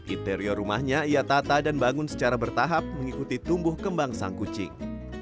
interior rumahnya ia tata dan bangun secara bertahap mengikuti tumbuh kembang sang kucing